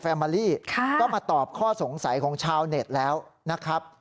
มาลีก็มาตอบข้อสงสัยของชาวเน็ตแล้วนะครับ